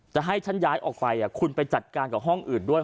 จะให้ฉันย้ายออกไปคุณไปจัดการกับห้องอื่นด้วย